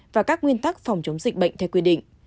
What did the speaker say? và các nguyên tắc phòng chống dịch bệnh theo quy định